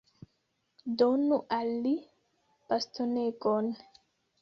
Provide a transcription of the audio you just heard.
Donu al li bastonegon.